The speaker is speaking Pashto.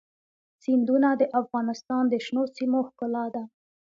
سیندونه د افغانستان د شنو سیمو ښکلا ده.